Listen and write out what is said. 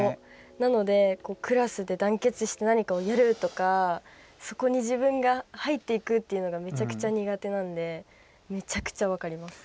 なので、クラスで団結して何かをやるとかそこに自分が入っていくっていうのがめちゃくちゃ苦手なんでめちゃくちゃ分かります。